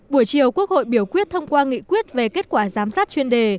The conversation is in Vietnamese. buổi chiều quốc hội biểu quyết thông qua nghị quyết về kết quả giám sát chuyên đề